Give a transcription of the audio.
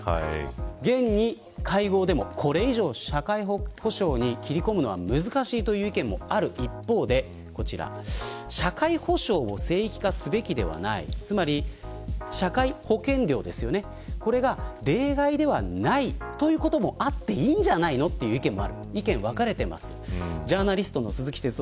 現に、会合でもこれ、じゃあ、社会保障に切り込むのは難しいという意見もある一方で社会保障を聖域化すべきではないつまり社会保険料を例外ではないということもあっていいんじゃないかという意見もある。